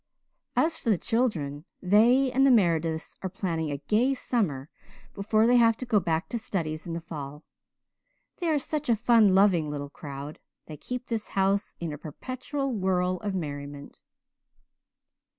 As for the children, they and the Merediths are planning a gay summer before they have to go back to studies in the fall. They are such a fun loving little crowd. They keep this house in a perpetual whirl of merriment."